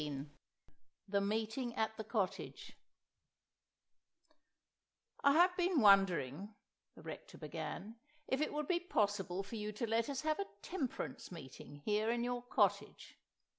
XV The Meeting at the Cottage "I HAVE been wondering," the Rector began, "if it would be possible for you to let us have a Temperance Meeting here in your cottage?